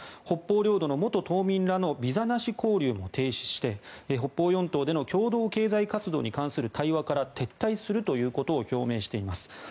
北方領土の元島民らのビザなし交流も停止して北方四島での共同経済活動に関する対話から撤退するということを表明しています。